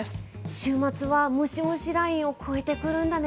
週末はムシムシラインを越えてくるんだね。